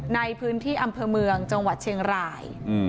ในพื้นที่อำเภอเมืองจังหวัดเชียงราย